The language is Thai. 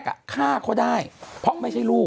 คุณหนุ่มกัญชัยได้เล่าใหญ่ใจความไปสักส่วนใหญ่แล้ว